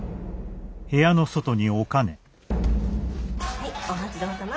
・はいお待ち遠さま。